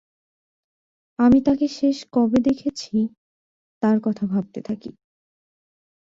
আমি তাকে শেষ কবে দেখেছি তার কথা ভাবতে থাকি।